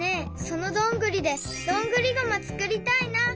そのどんぐりでどんぐりゴマつくりたいな！